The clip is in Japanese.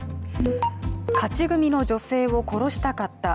勝ち組の女性を殺したかった。